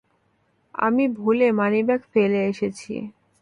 আমি ভুলে মানিব্যাগ ফেলে এসেছি।